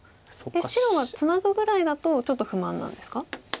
白はツナぐぐらいだとちょっと不満なんですか？